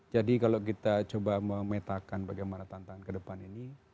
jadi kalau kita coba memetakan bagaimana tantangan kedepan ini